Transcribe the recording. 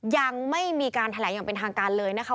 ยังไม่มีการแถลงอย่างเป็นทางการเลยนะคะ